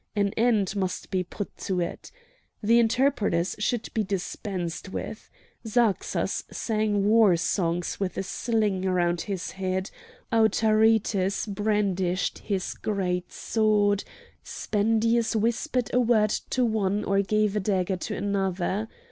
An end must be put to it! The interpreters should be dispensed with! Zarxas sang war songs with a sling around his head; Autaritus brandished his great sword; Spendius whispered a word to one or gave a dagger to another.